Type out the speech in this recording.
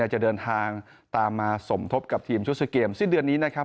จะเดินทางตามมาสมทบกับทีมชุดสเกมสิ้นเดือนนี้นะครับ